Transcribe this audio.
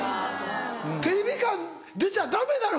テレビ感出ちゃダメなの？